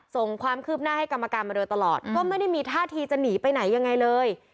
ส่งความคืบหน้าให้กรรมการมาโดยตลอดก็ไม่ได้มีท่าทีจะหนีไปไหนยังไงเลย